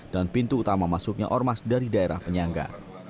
dan pintu utama masuknya ormas dari daerah penyangga